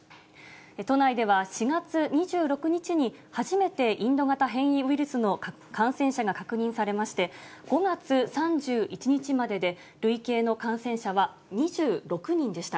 都内では４月２６日に初めてインド型変異ウイルスの感染者が確認されまして、５月３１日までで累計の感染者は２６人でした。